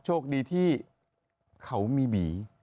โชคดีที่เขามีบี